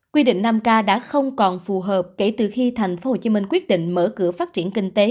quy định năm k đã không còn phù hợp kể từ khi tp hcm quyết định mở cửa phát triển kinh tế